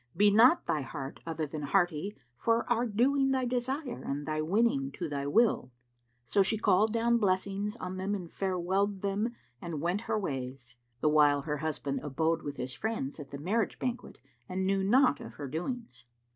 Be not thy heart other than hearty for our doing thy desire and thy winning to thy will." So she called down blessings on them and farewelled them and went her ways, the while her husband abode with his friends at the marriage banquet and knew naught of her doings.